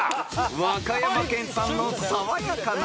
［和歌山県産の爽やかなレモン］